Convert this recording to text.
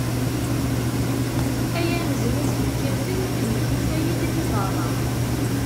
Ay aneznaz yekkaten, nekk yufa-yi-d di berra.